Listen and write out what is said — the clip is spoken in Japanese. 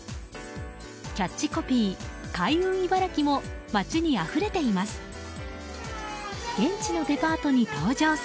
キャッチコピー「開運茨城」も街にあふれています。